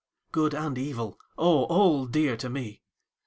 Good and evil! O all dear to me!